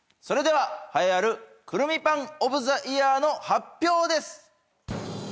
それでは栄えあるくるみパンオブ・ザ・イヤーの発表です！